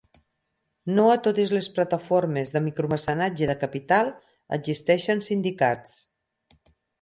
No ha totes les plataformes de micromecenatge de capital existeixen sindicats.